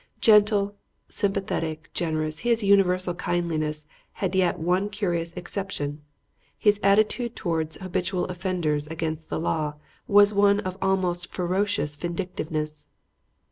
Gentle, sympathetic, generous, his universal kindliness had yet one curious exception: his attitude towards habitual offenders against the law was one of almost ferocious vindictiveness.